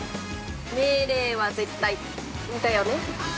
命令は絶対、だよね？